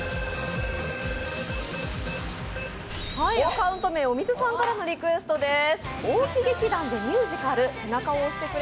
アカウント名、おみずさんからのリクエストです。